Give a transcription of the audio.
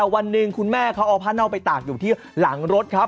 วันหนึ่งคุณแม่เขาเอาผ้าเน่าไปตากอยู่ที่หลังรถครับ